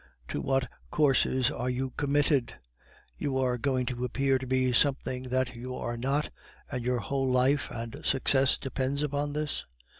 To what courses are you committed? You are going to appear to be something that you are not, and your whole life and success depends upon this?